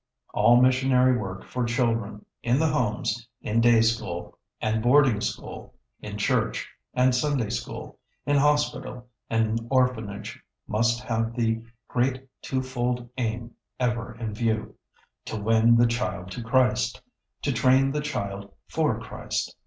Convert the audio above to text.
All missionary work for children, in the homes, in day school and boarding school, in church and Sunday School, in hospital and orphanage, must have the great two fold aim ever in view, to win the child to Christ, to train the child for Christ.